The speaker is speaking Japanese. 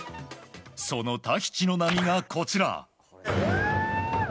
そのタヒチの波が、こちら。